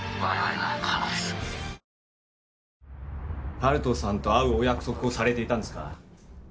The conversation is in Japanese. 温人さんと会うお約束をされていたんですか？